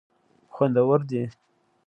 خوندور دي.